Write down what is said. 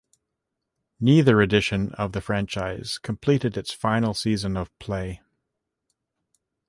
Neither edition of the franchise completed its final season of play.